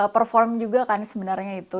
perform juga kan sebenarnya itu